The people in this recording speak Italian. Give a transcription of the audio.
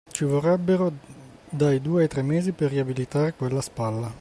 Ci vorrebbero dai due ai tre mesi per riabilitare quella spalla.